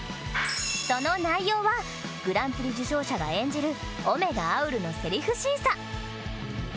その内容はグランプリ受賞者が演じる御芽河あうるのセリフ審査。